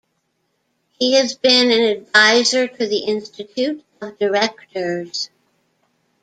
He has been an advisor to the Institute of Directors.